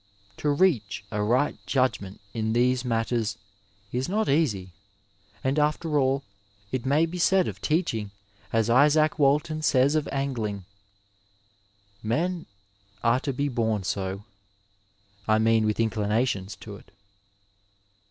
To reach a right judgment in these matters is not easy, and after all it may be said of teaching as Izaak Walton says of anting, ^' Men are to be bom so, I mean with inclinations to it."